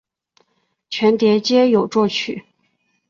全碟皆由作曲。